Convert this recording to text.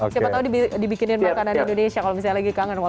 siapa tahu dibikinin makanan indonesia kalau misalnya lagi kangen